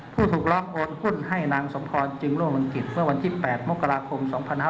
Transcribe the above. ผู้ถูกร้องโอนหุ้นให้นางสมพรจึงร่วมวงกิจเมื่อวันที่๘มกราคม๒๕๕๙